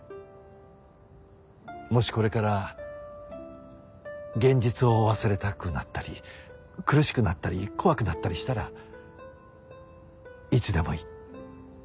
もしこれから現実を忘れたくなったり苦しくなったり怖くなったりしたらいつでもいい。